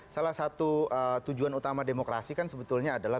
salah satu tujuan utama demokrasi kan sebetulnya adalah